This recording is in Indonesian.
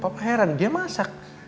papa heran dia masak